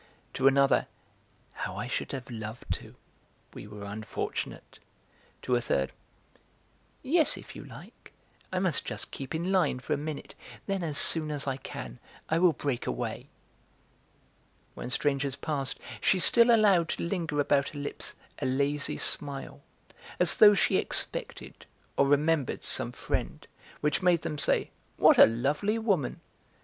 to another: "How I should have loved to! We were unfortunate!", to a third: "Yes, if you like! I must just keep in the line for a minute, then as soon as I can I will break away." When strangers passed she still allowed to linger about her lips a lazy smile, as though she expected or remembered some friend, which made them say: "What a lovely woman!".